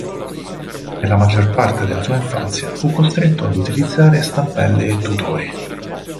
Per la maggior parte della sua infanzia fu costretto ad utilizzare stampelle e tutori.